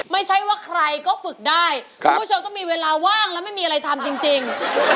ไม่ใช่ว่าใครก็ฝึกได้คุณผู้ชมต้องมีเวลาว่างแล้วไม่มีอะไรทำจริง